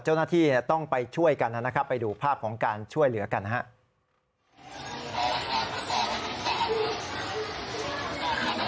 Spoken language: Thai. เจ้าหน้าที่ต้องไปช่วยกันนะครับไปดูภาพของการช่วยเหลือกันนะครับ